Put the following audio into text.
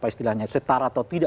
setara atau tidak